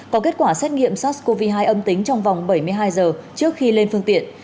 có kết quả xét nghiệm sars cov hai âm tính trong vòng bảy mươi hai giờ trước khi lên phương tiện